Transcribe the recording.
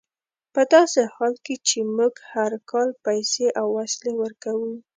په داسې حال کې چې موږ هر کال پیسې او وسلې ورکوو.